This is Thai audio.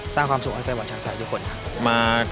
สร้างความสุขให้แฟนบอลชาวไทยทุกคนครับ